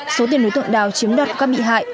số tiền đối tượng đào chiếm đặt các bị hại